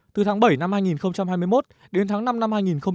từ tháng bảy năm hai nghìn hai mươi một đến tháng năm năm hai nghìn hai mươi ba